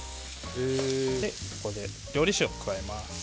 ここで料理酒を加えます。